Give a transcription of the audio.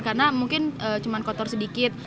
karena mungkin cuma kotor sedikit